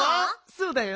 そうだよ。